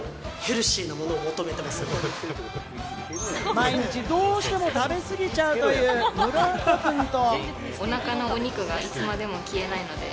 毎日どうしても食べ過ぎちゃうという村岡くんと。